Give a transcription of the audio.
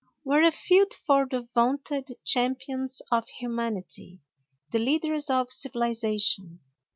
What a field for the vaunted champions of humanity, the leaders of civilization!